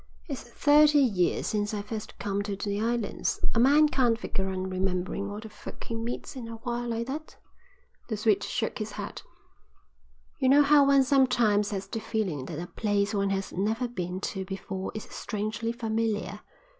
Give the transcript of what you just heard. "It's thirty years since I first come to the islands. A man can't figure on remembering all the folk he meets in a while like that." The Swede shook his head. "You know how one sometimes has the feeling that a place one has never been to before is strangely familiar.